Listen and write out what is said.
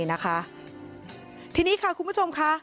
นี่นะคะทีนี้ค่ะคุณผู้ชมค่ะ